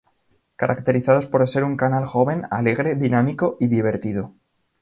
Caracterizados por ser un canal joven, alegre, dinámico y divertido.